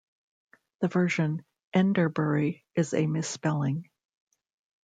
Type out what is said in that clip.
The version 'Enderbury' is a misspelling.